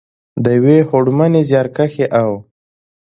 ، د یوې هوډمنې، زیارکښې او .